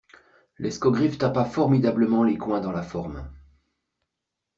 L'escogriffe tapa formidablement les coins dans la forme.